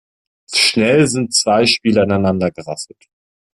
Schnell sind zwei Spieler ineinander gerasselt.